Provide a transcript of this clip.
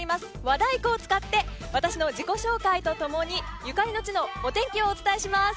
和太鼓を使って私の自己紹介と共にゆかりの地のお天気をお伝えします。